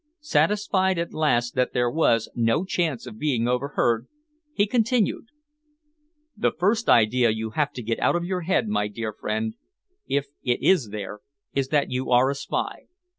Satisfied at last that there was no chance of being overheard, he continued: "The first idea you have to get out of your head, my dear friend, if it is there, is that you are a spy.